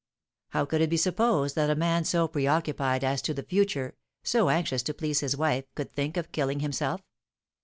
How could it be supposed that a man so preoccupied as to the future, so anxious to please his wife, could think of killing himself?